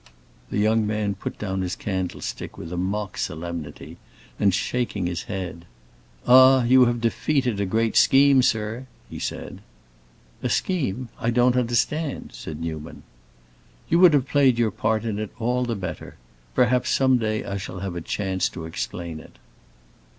The young man put down his candlestick with mock solemnity, and, shaking his head, "Ah, you have defeated a great scheme, sir!" he said. "A scheme? I don't understand," said Newman. "You would have played your part in it all the better. Perhaps some day I shall have a chance to explain it."